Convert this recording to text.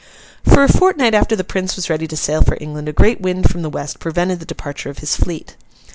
For a fortnight after the Prince was ready to sail for England, a great wind from the west prevented the departure of his fleet.